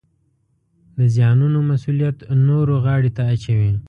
د زیانونو مسوولیت نورو غاړې ته اچوي